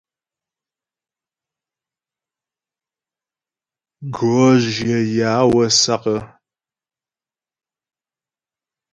Gʉɔ́ jyə yaə̌ wə́ sǎk.